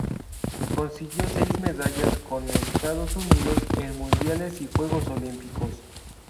Consiguió seis medallas con Estados Unidos en mundiales y Juegos Olímpicos.